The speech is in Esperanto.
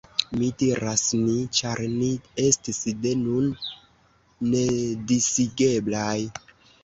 Mi diras «ni», ĉar ni estis, de nun, nedisigeblaj.